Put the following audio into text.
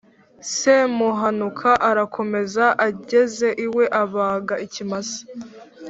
Semuhanuka arakomeza, ageze iwe abaga ikimasa